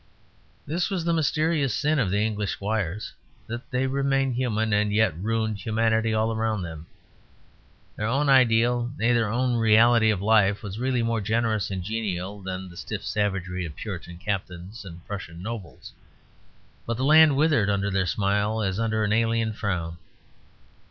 This was the mysterious sin of the English squires, that they remained human, and yet ruined humanity all around them. Their own ideal, nay their own reality of life, was really more generous and genial than the stiff savagery of Puritan captains and Prussian nobles; but the land withered under their smile as under an alien frown.